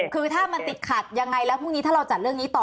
คือถ้ามันติดขัดยังไงแล้วพรุ่งนี้ถ้าเราจัดเรื่องนี้ต่อ